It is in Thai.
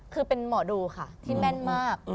คือเป็นหมอดูค่ะที่แม่นมาก